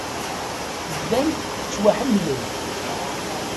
Llant ttwaḥemmlent.